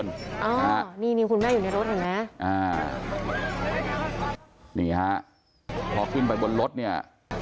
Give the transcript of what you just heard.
ใจมากมากเนี่ย